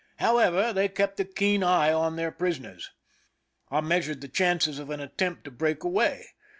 However, they kept a keen eye on their prisoners. I measured the chances of an attempt to break away.